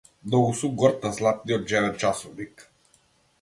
Многу сум горд на златниот џебен часовник.